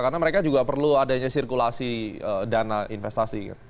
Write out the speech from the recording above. karena mereka juga perlu adanya sirkulasi dana investasi